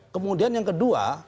kemudian yang kedua